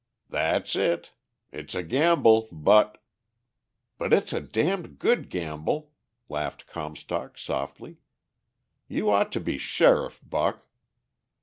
"That's it. It's a gamble, but...." "But it's a damned good gamble," laughed Comstock softly. "You ought to be sheriff, Buck."